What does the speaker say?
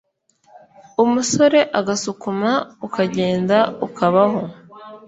umusore agasukuma ukagenda ukabaho